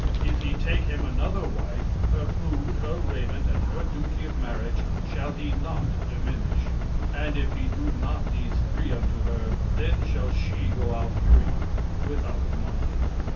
"If he take him another wife, her food, her raiment and her duty of marriage shall he not diminish. "And if he do not these three unto her, then shall she go out free without money."